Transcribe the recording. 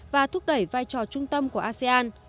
và thúc đẩy vai trò trung tâm của asean